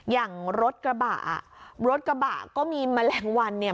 อย่างรถกระบะรถกระบะก็มีแมลงวันเนี่ย